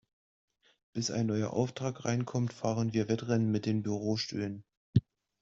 Bis ein neuer Auftrag reinkommt, fahren wir Wettrennen mit den Bürostühlen.